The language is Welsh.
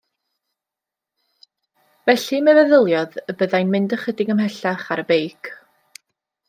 Felly mi feddyliodd y byddai'n mynd ychydig ymhellach ar y beic.